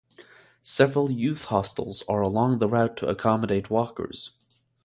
Several youth hostels are along the route to accommodate walkers.